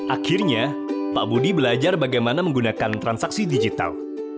akhirnya pak budi belajar bagaimana menggunakan transaksi digital